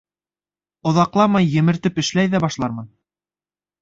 Оҙаҡламай емертеп эшләй ҙә башлармын.